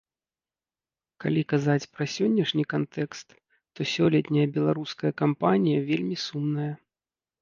Калі казаць пра сённяшні кантэкст, то сёлетняя беларуская кампанія вельмі сумная.